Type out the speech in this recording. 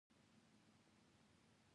ترموز د مینې نښه ګرځېدلې.